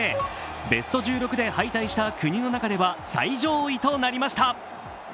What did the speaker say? ベスト１６で敗退した国の中では最上位となりました。